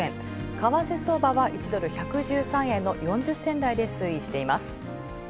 為替相場は、１ドル１１３円の４０銭台で推移しています。